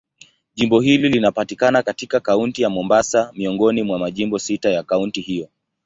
Jimbo hili linapatikana katika Kaunti ya Mombasa, miongoni mwa majimbo sita ya kaunti hiyo.